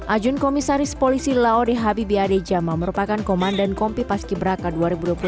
ajun komisaris polisi laode habibiyadejama merupakan komandan kompi paskiberaka dua ribu dua puluh tiga dari instansi polri